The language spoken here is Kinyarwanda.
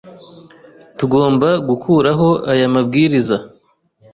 Tugomba gukuraho aya mabwiriza.